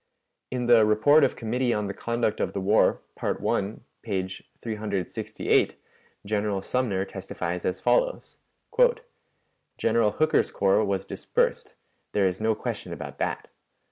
In the "Report of Committee on the Conduct of the War," Part I, p. 368, General Sumner testifies as follows: "General Hooker's corps was dispersed; there is no question about that.